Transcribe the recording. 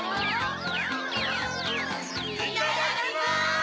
いただきます！